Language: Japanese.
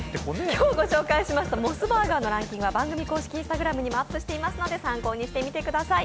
今日ご紹介しましたモスバーガーのランキングは番組公式Ｉｎｓｔａｇｒａｍにもアップしていますので参考にしてみてください。